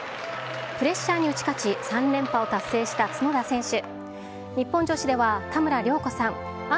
プレッシャーに打ち勝ち、３連覇を達成した角田選手。